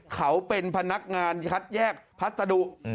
เขาเป็นพนักงานคัดแยกพัสดุ